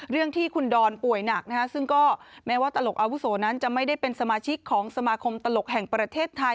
เรื่องที่คุณดอนป่วยหนักซึ่งก็แม้ว่าตลกอาวุโสนั้นจะไม่ได้เป็นสมาชิกของสมาคมตลกแห่งประเทศไทย